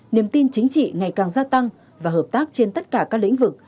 niềm tin chính trị ngày càng gia tăng và hợp tác trên tất cả các lĩnh vực